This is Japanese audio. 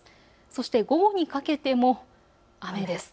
そして午後にかけても雨です。